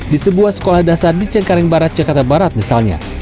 di sebuah sekolah dasar di cengkareng barat jakarta barat misalnya